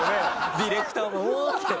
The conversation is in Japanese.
ディレクターも「うん」って。